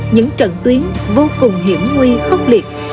những trận tuyến vô cùng hiểm nguy khốc liệt